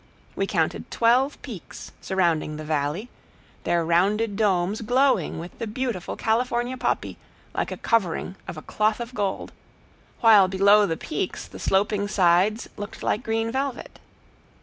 We counted twelve peaks surrounding the valley, their rounded domes glowing with the beautiful California poppy, like a covering of a cloth of gold, while below the peaks the sloping sides looked like green velvet.